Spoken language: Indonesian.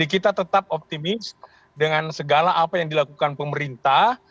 kita tetap optimis dengan segala apa yang dilakukan pemerintah